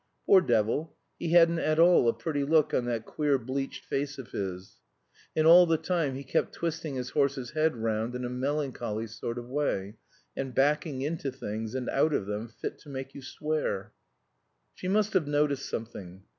Poor devil! he hadn't at all a pretty look on that queer bleached face of his. And all the time he kept twisting his horse's head round in a melancholy sort of way, and backing into things and out of them, fit to make you swear. She must have noticed something.